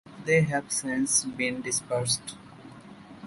They have since been dispersed.